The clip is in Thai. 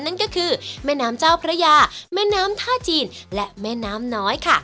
นั่นก็คือแม่น้ำเจ้าพระยาแม่น้ำท่าจีนและแม่น้ำน้อยค่ะ